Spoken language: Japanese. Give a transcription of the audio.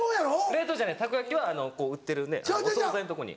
冷凍じゃないたこ焼きは売ってるねぇお総菜のとこに。